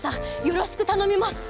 よろしくたのみます！